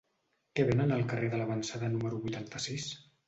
Què venen al carrer de L'Avançada número vuitanta-sis?